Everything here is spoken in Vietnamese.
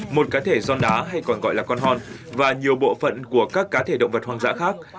một cá thể giòn đá hay còn gọi là con hòn và nhiều bộ phận của các cá thể động vật hoang dã khác